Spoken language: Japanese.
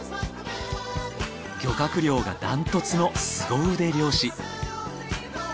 漁獲量がダントツの凄腕漁師。